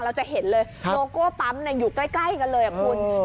เราจะเห็นเลยโลโก้ปั๊มอยู่ใกล้กันเลยคุณ